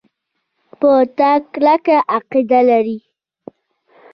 په تا کلکه عقیده لري.